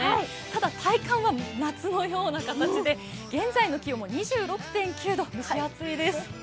ただ、体感は夏のような形で現在の気温は２６．５度、蒸し暑いです。